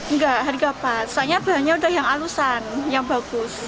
enggak harga pas soalnya bahannya udah yang alusan yang bagus